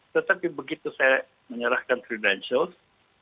tetapi begitu saya menyerahkan fredentials